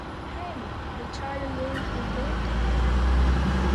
هند د چایو لوی تولیدونکی دی.